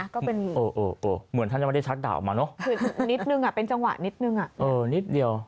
ก็เป็นเหมือนท่านจะมาได้ชักด่าออกมาเนาะคือนิดนึงเป็นจังหวะนิดนึง